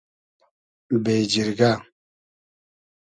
بېجیرگۂ